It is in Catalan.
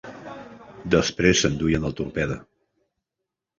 Després s'enduien el torpede.